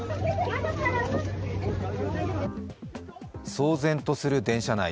騒然とする電車内。